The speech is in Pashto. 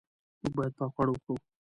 موږ باید پاک خواړه وخورو.